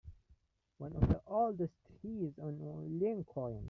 One of the oldest trees in Lincoln.